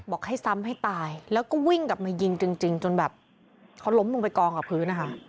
บอกให้ซ้ำให้ตายแล้วก็วิ่งกลับมายิงจริงจนแบบเขาล้มลงไปกองกับพื้นนะคะ